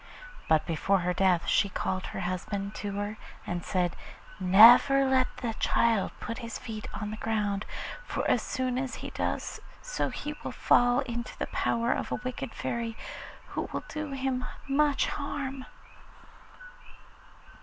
But before her death she called her husband to her and said, 'Never let the child put his feet on the ground, for as soon as he does so he will fall into the power of a wicked Fairy, who will do him much harm.